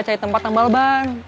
cari tempat tambal ban